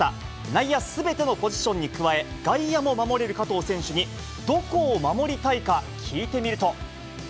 内野すべてのポジションに加え、外野も守れる加藤選手に、どこ守りたい？